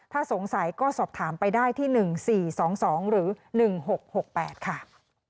ถ้าสงสัยก็สอบถามไปได้ที่๑๔๒๒หรือ๑๖๖๘ค่ะ